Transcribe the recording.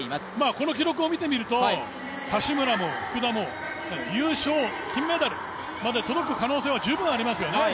この記録を見てみると柏村も福田も優勝、金メダルまで届く可能性は十分ありますよね。